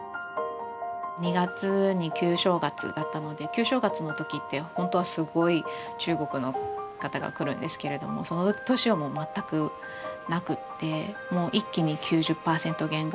２月に旧正月だったので旧正月の時って本当はすごい中国の方が来るんですけれどもその年はもう全くなくって一気に９０％減ぐらいですね。